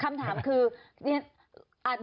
อันดีคำถามคือ